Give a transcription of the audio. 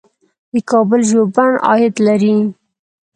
د کابل ژوبڼ عاید لري